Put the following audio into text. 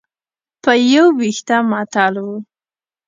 په یو وېښته معطل و.